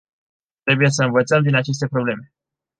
Trebuie să învățăm din aceste probleme.